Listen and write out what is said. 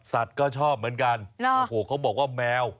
ก็ชอบเหมือนกันโอ้โหเขาบอกว่าแมว